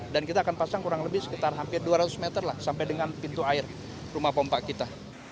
dan kita akan pasang kurang lebih sekitar hampir dua ratus meter lah sampai dengan pintu air rumah pompa kita